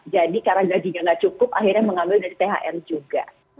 jadi karena gajinya nggak cukup akhirnya mengambil dari thr juga